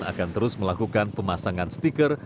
akan terus melakukan pemasangan stiker